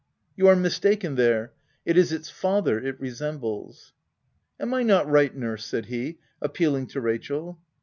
•? You are mistaken there ; it is its father it resembles." " Am I not right, nurse ?" said he, appealing to Rachel.